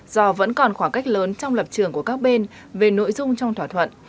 do vẫn còn khoảng cách lớn trong lập trường của các bên về nội dung trong thỏa thuận